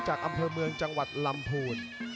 จากอำเภอเมืองจังหวัดลำพูน